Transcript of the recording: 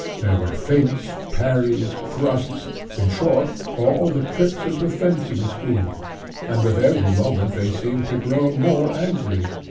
There were feints, parries, thrusts, in short, all the tricks of the fencing school, and with every moment they seemed to grow more angry.